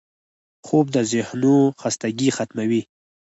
خوب د ذهنو خستګي ختموي